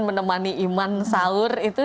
menemani iman sahur itu